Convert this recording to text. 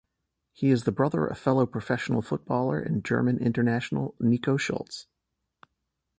He is the brother of fellow professional footballer and German international Nico Schulz.